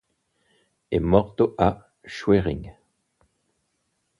È morto a Schwerin.